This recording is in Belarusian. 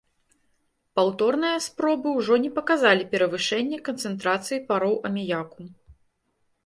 Паўторныя спробы ўжо не паказалі перавышэння канцэнтрацыі пароў аміяку.